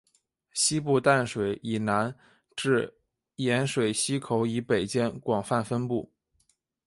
西部淡水以南至盐水溪口以北间广泛分布。